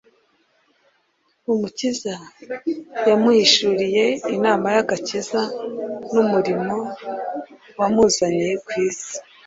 Umukiza yamuhishuriye inama y’agakiza n’umurimo wamuzanye ku isi,